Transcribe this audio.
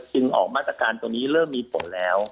ออกมาตรการตัวนี้เริ่มมีผลแล้ว